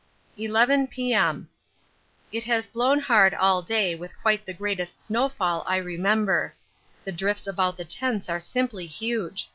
11 P.M. It has blown hard all day with quite the greatest snowfall I remember. The drifts about the tents are simply huge.